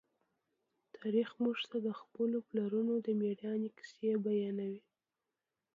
تاریخ موږ ته د خپلو پلرونو د مېړانې کیسې بیانوي.